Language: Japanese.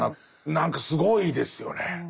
何かすごいですよね。